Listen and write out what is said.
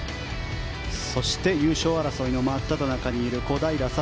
そして、優勝争いの真っただ中にいる小平智